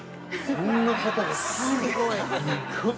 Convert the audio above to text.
そんな方が、すっごい。